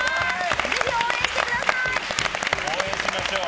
ぜひ、応援してください！